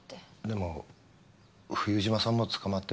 でも冬島さんも捕まってるんじゃ。